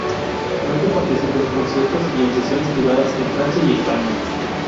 Pronto participó en conciertos y en sesiones privadas en Francia y España.